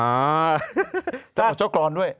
อ๋อแล้วเจ้าหัวเจ้ากรด้วย